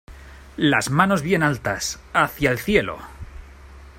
¡ Las manos bien altas, hacia el cielo!